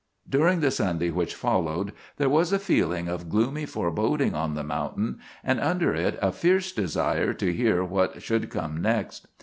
During the Sunday which followed there was a feeling of gloomy foreboding on the mountain, and under it a fierce desire to hear what should come next.